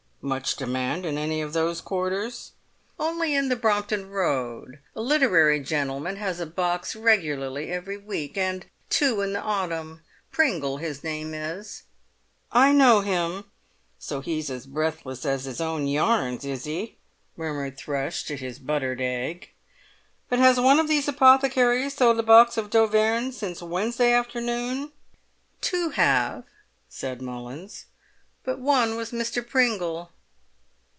"Much demand in any of those quarters?" "Only in the Brompton Road; a literary gentleman has a box regularly every week, and two in the autumn. Pringle, his name is." "I know him; so he's as breathless as his own yarns, is he?" murmured Thrush, to his buttered egg. "But has one of these apothecaries sold a box of d'Auvergnes since Wednesday afternoon?" "Two have," said Mullins, "but one was to Mr. Pringle."